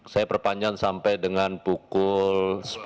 saya perpanjang sampai dengan pukul sepuluh